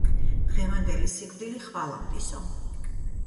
დღევანდელი სიკვდილი ხვალამდისო